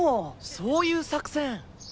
そういう作戦？